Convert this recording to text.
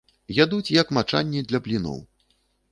Ядуць як мачанне для бліноў.